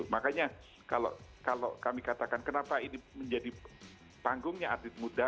makanya kalau kami katakan kenapa ini menjadi panggungnya atlet muda